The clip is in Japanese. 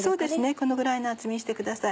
このぐらいの厚みにしてください。